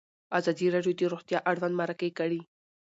ازادي راډیو د روغتیا اړوند مرکې کړي.